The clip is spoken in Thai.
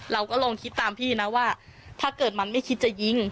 เราก็ลองคิดตามพี่นะว่าถ้าเกิดมันไม่คิดจะยิง